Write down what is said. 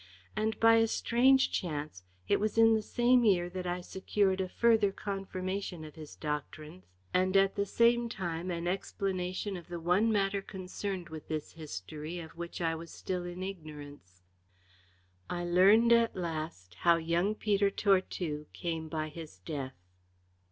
And by a strange chance it was in the same year that I secured a further confirmation of his doctrines and at the same time an explanation of the one matter concerned with this history of which I was still in ignorance. In a word, I learned at last how young Peter Tortue came by his death.